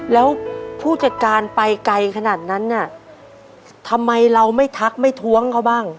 แล้วผู้จัดการไปไกลขนาดนั้นน่ะทำไมเราไม่ทักไม่ท้วงเขาบ้าง